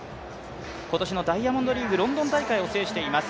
今年のダイヤモンドリーグロンドン大会を制しています。